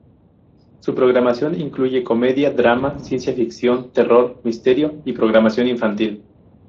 Su programación incluye comedia, drama, ciencia ficción, terror, misterio y programación infantil.